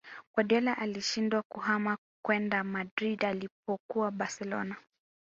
Guardiola alishindwa kuhama kwenda Madrid alipokuwa Barcelona